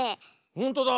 ほんとだ。